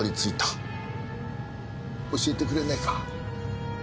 教えてくれねえか？